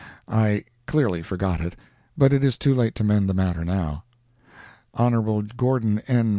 I clearly forgot it—but it is too late to mend the matter now. Hon. Gordon N.